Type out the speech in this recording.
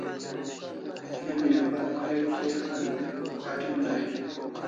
Emi albat warek kia gat'in dai